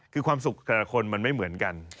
คือความสุขแต่ละคนมันไม่เหมือนกัน